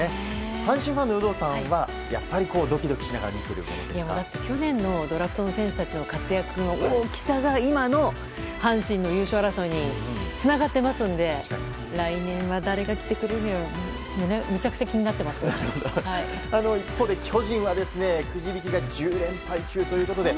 阪神ファンの有働さんはドキドキしながら去年のドラフトの選手たちの活躍の大きさが今の阪神の優勝争いにつながっているので来年は誰が来てくれるのかと一方で巨人はくじ引きが１０連敗中ということで。